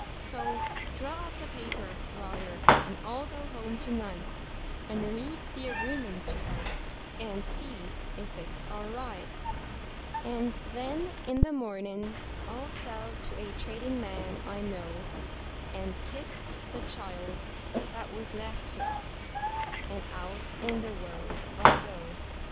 So draw up the paper, lawyer, and I'll go home to night, And read the agreement to her, and see if it's all right; And then, in the mornin', I'll sell to a tradin' man I know, And kiss the child that was left to us, and out in the world I'll go.